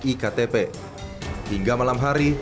iktp hingga malam hari